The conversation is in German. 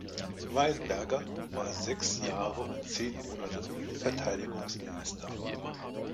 Weinberger war sechs Jahre und zehn Monate Verteidigungsminister.